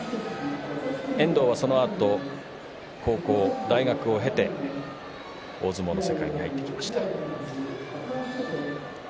遠藤は、そのあと高校、大学を経て大相撲の世界に入ってきました。